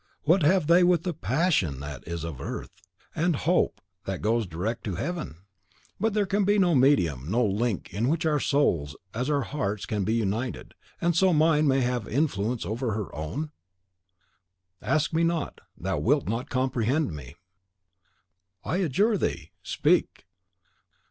What have they with the PASSION that is of earth, and the HOPE that goes direct to heaven?" "But can there be no medium no link in which our souls, as our hearts, can be united, and so mine may have influence over her own?" "Ask me not, thou wilt not comprehend me!" "I adjure thee! speak!"